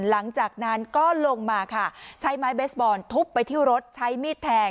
หลังจากนั้นก็ลงมาค่ะใช้ไม้เบสบอลทุบไปที่รถใช้มีดแทง